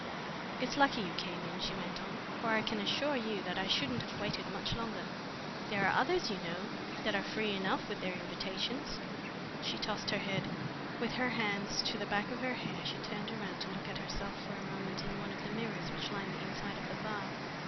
It's lucky you came in," she went on, "for I can assure you that I shouldn't have waited much longer. There are others, you know, that are free enough with their invitations." She tossed her head. With her hands to the back of her hair she turned round to look at herself for a moment in one of the mirrors which lined the inside of the bar.